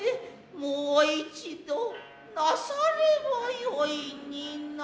もう一度なさればよいになあ。